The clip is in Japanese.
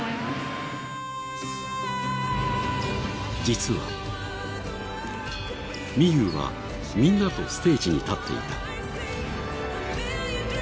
実はみゆうはみんなとステージに立っていた。